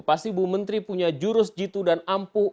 pasti bu menteri punya jurus jitu dan ampuh